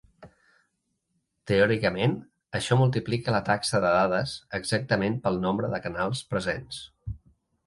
Teòricament, això multiplica la taxa de dades exactament pel nombre de canals presents.